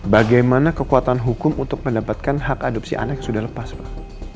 bagaimana kekuatan hukum untuk mendapatkan hak adopsi anak yang sudah lepas pak